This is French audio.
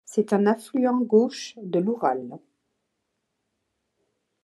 C’est un affluent gauche de l’Oural.